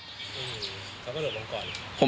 อืมเขาก็เดินลงก่อน